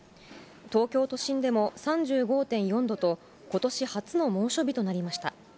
東京都心でも３５．４度と、ことし初の猛暑日となりました。